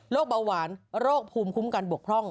เบาหวานโรคภูมิคุ้มกันบกพร่อง